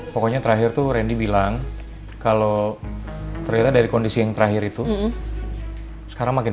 pokoknya terakhir tuh randy bilang kalau ternyata dari kondisi yang terakhir itu sekarang makin